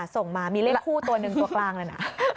ส่งมามีเลขคู่ตัวหนึ่งตัวกลางเลยนะ